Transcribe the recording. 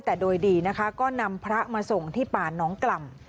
แต่โดยดีนะคะก็นำพระมาส่งที่ป่าน้องกล่ำ